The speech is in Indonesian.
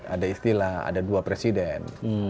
ada istilah ada dua presiden